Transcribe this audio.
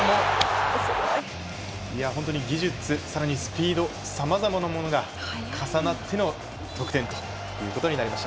本当に技術、さらにスピードさまざまなものが重なっての得点となりました。